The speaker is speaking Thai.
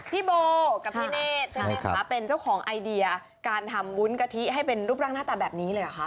พี่โบกับพี่เนธใช่ไหมคะเป็นเจ้าของไอเดียการทำวุ้นกะทิให้เป็นรูปร่างหน้าตาแบบนี้เลยเหรอคะ